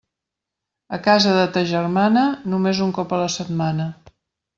A casa de ta germana, només un cop a la setmana.